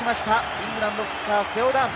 イングランドフッカー、セオ・ダン。